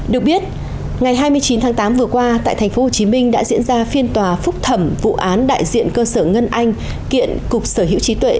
được biết ngày hai mươi chín tháng tám vừa qua tại tp hcm đã diễn ra phiên tòa phúc thẩm vụ án đại diện cơ sở ngân anh kiện cục sở hữu trí tuệ